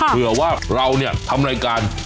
เผื่อว่าเราเนี่ยทำรายการ